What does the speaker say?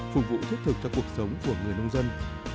phục vụ thiết thực cho cuộc sống của người nông dân